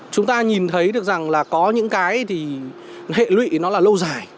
chúng ta nhìn thấy được rằng là có những cái thì hệ lụy nó là lâu dài